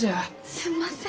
すんません。